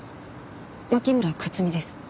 牧村克実です。